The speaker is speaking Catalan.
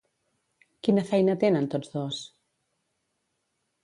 Quina feina tenen tots dos?